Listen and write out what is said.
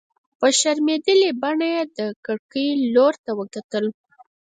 په شرمېدلې بڼه يې د کړکۍ لور ته وکتل.